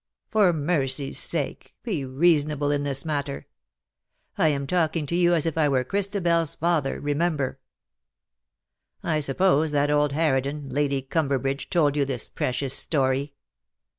For mercy^s sake^ be reasonable in this matter ! I am talking to you as if I were Christabers father^ remember. I suppose that old harridan, Lady Cumberbridge, told you this precious story.